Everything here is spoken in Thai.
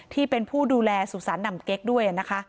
ที่เป็นผู้ดูแลสุสานหนำเก๊กด้วยนะคะ